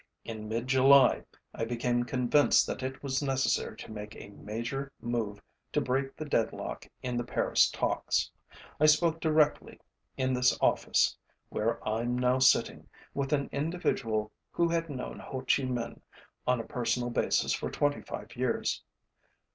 In mid July I became convinced that it was necessary to make a major move to break the deadlock in the Paris talks. I spoke directly in this office, where IÆm now sitting, with an individual who had known Ho Chi Minh on a personal basis for 25 years.